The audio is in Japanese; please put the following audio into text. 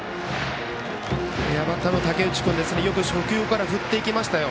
バッターの竹内君よく初球から振っていきましたよ。